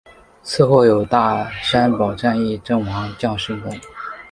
祠后有大宝山战役阵亡将士墓。